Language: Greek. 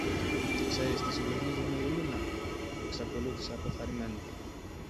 Και ξέρεις τι συλλογίζομαι, Ειρηνούλα; εξακολούθησε αποθαρρυμένος.